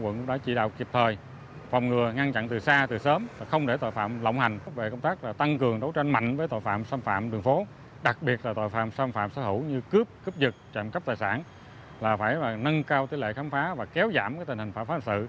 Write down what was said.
nâng cao tỷ lệ khám phá và kéo giảm tình hình phá phá hình sự